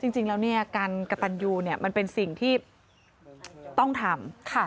จริงแล้วการกระตันยูมันเป็นสิ่งที่ต้องทำ